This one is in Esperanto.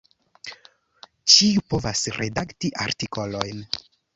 Ĉiu povas redakti artikolojn.